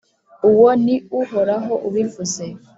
uwo ni uhoraho ubivuze.